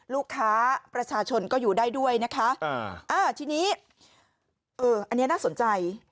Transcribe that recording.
ลูกค้าประชาชนก็อยู่ได้ด้วยนะคะทีนี้เอออันนี้น่าสนใจ